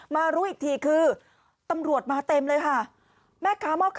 รู้อีกทีคือตำรวจมาเต็มเลยค่ะ